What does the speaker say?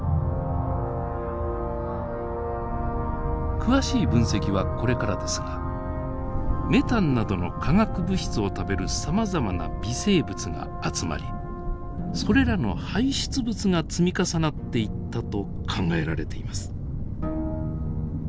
詳しい分析はこれからですがメタンなどの化学物質を食べるさまざまな微生物が集まりそれらの排出物が積み重なっていったと考えられています。